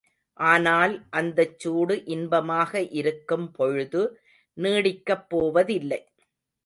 ஆனால் அந்தச் சூடு இன்பமாக இருக்கும் பொழுது, நீடிக்கப் போவதில்லை.